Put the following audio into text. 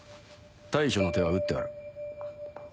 対処の手は打ってある。